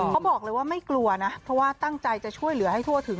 เขาบอกเลยว่าไม่กลัวนะเพราะว่าตั้งใจจะช่วยเหลือให้ทั่วถึง